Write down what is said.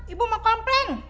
ibu mau komplain